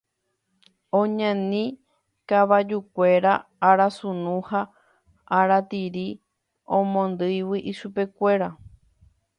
Oñani kavajukuéra arasunu ha aratiri omondýigui ichupekuéra.